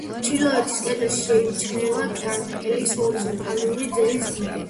ჩრდილოეთის კედელში შეიმჩნევა კანკელის ჰორიზონტალური ძელის ბუდე.